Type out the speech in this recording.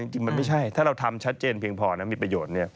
จริงมันไม่ใช่ถ้าเราทำชัดเจนเพียงพอนะมีประโยชน์